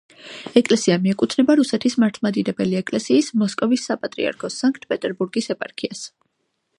ეკლესია მიეკუთვნება რუსეთის მართლმადიდებელი ეკლესიის მოსკოვის საპატრიარქოს სანქტ-პეტერბურგის ეპარქიას.